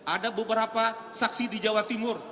ada beberapa saksi di jawa timur